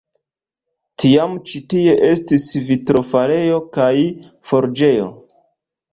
Tiam ĉi tie estis vitrofarejo kaj forĝejo.